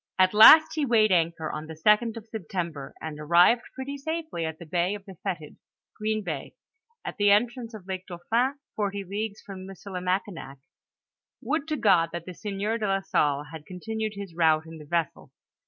* At last he weighed anchor on the 2d of September, and ar rived pretty safely at the Bay of the Fetid (Green bay), at the entrance of Lake Dauphin, forty leagues from Missili makinak. Would to God that the sieur de la Salle had con tinued his route in the vessel.